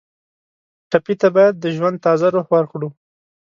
ټپي ته باید د ژوند تازه روح ورکړو.